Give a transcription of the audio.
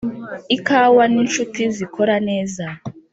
ikawa ninshuti zikora neza.